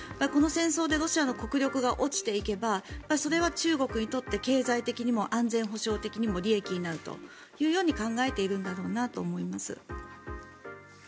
この戦争でロシアの国力が落ちていけばそれは中国にとって経済的にも安全保障的にも利益になるというように考えているんだろうなと思います。